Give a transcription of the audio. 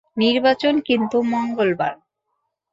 নির্বাচন কিন্তু মঙ্গলবার।